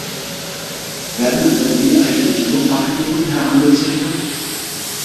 Werden an der Uni eigentlich nur Fachidioten herangezüchtet?